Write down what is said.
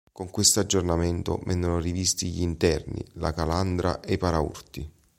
Con questo aggiornamento vennero rivisti gli interni, la calandra e i paraurti.